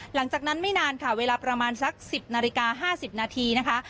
หลังจากนั้นไม่นานค่ะเวลาประมาณสัก๑๐นาฬิกา๕๐นาทีนะคะ